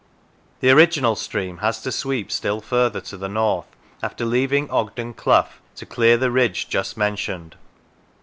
The original stream has to sweep still further to the north after leaving Ogden Clough, to clear the ridge just mentioned.